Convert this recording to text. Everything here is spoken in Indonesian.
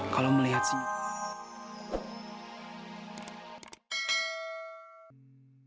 kalau melihat senyum